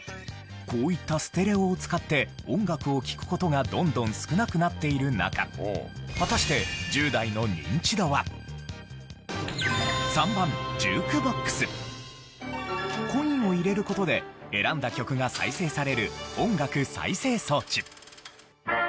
こういったステレオを使って音楽を聴く事がどんどん少なくなっている中果たしてコインを入れる事で選んだ曲が再生される音楽再生装置。